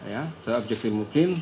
ya seobjektif mungkin